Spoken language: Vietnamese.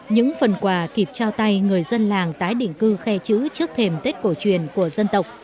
những phần quà kịp trao tay người dân làng tái định cư khe chữ trước thềm tết cổ truyền của dân tộc